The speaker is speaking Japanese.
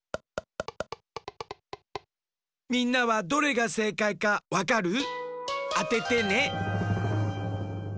みんなはどれがせいかいかわかる？あててね。